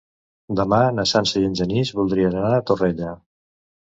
Demà na Sança i en Genís voldrien anar a Torrella.